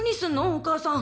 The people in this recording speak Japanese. お母さん。